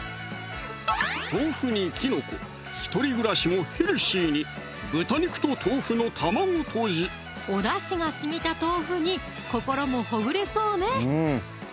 豆腐にきのこ一人暮らしもヘルシーにおだしがしみた豆腐に心もほぐれそうね！